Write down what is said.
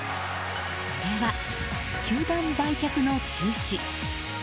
それは球団売却の中止。